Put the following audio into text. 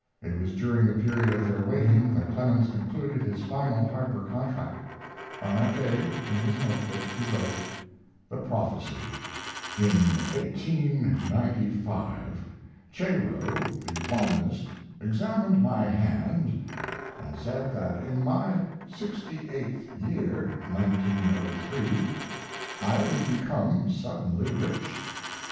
It was during the period of their waiting that Clemens concluded his final Harper contract. On that day, in his note book, he wrote: THE PROPHECY In 1895 Cheiro the palmist examined my hand & said that in my 68th year (1903) I would become suddenly rich.